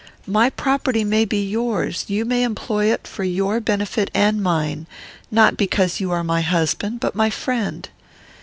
My property may be yours; you may employ it for your benefit and mine; not because you are my husband, but my friend.